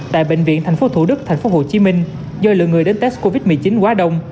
tại bệnh viện thành phố thủ đức thành phố hồ chí minh do lượng người đến test covid một mươi chín quá đông